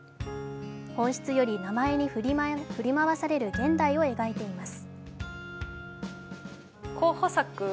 本質より名前に振り回される現代を描いています。